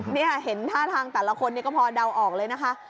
นี่เห็นท่าทางแต่ละคนก็พอเดาออกเลยนะคะ